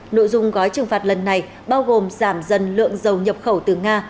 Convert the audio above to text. nội dung gói trừng phạt lần này bao gồm giảm dần lượng dầu nhập khẩu từ nga